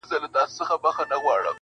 • چي زړه به کله در سړیږی د اسمان وطنه -